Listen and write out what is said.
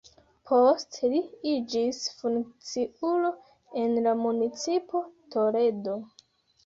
Poste li iĝis funkciulo en la Municipo Toledo.